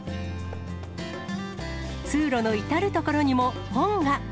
通路の至る所にも本が。